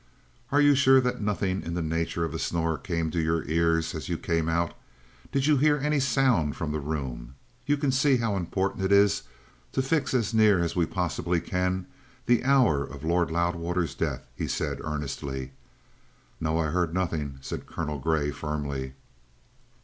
"Are you sure that nothing in the nature of a snore came to your ears as you came out? Did you hear any sound from the room? You can see how important it is to fix as near as we possibly can the hour of Lord Loudwater's death," he said earnestly. "No, I heard nothing," said Colonel Grey firmly.